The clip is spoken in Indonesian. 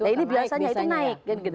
ini biasanya itu naik